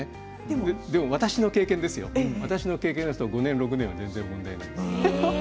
でも私の経験ですよ、私の経験ですと５年６年は全然問題ないです。